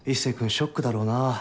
ショックだろうな